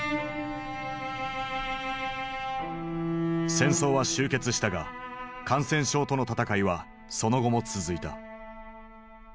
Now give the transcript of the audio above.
戦争は終結したが感染症との闘いはその後も続いた。